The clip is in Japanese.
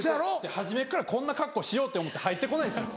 初めからこんな格好しようって思って入って来ないですもん。